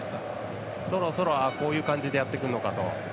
そろそろ、こういう感じでやっていくのかと。